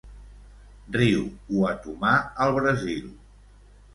Riu Uatumã al Brasil.